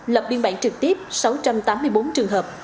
lập biên bản trực tiếp sáu trăm tám mươi bốn trường hợp